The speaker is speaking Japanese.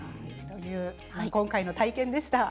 今回の体験でした。